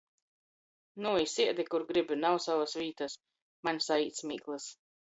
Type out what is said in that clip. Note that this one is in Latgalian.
"Nui, siedi kur gribi, nav sovys vītys!" maņ saīt smīklys.